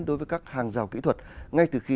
đối với các hàng rào kỹ thuật ngay từ khi